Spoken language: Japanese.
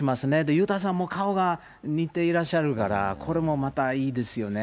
裕太さんも顔が似ていらっしゃるから、これもまたいいですよね。